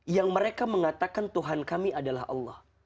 yang mereka mengatakan tuhan kami adalah allah